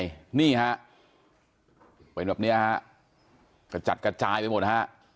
เป็นยังไงนี่ฮะเป็นแบบเนี่ยฮะกระจัดกระจายไปหมดฮะ